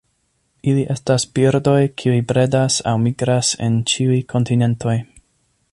Ili estas birdoj kiuj bredas aŭ migras en ĉiuj kontinentoj.